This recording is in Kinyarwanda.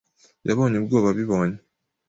Yabonye ubwoba abibonye.